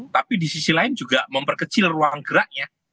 tapi di sisi lain juga memperkecil ruang geraknya